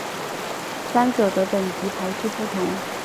三者的等级排序不同。